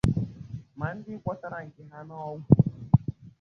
ma ndị gwọtara nke ha n'ọgwụ